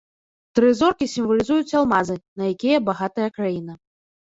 Тры зоркі сімвалізуюць алмазы, на якія багатая краіна.